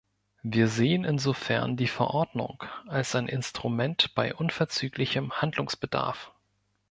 Wir sehen insofern die Verordnung als ein Instrument bei unverzüglichem Handlungsbedarf.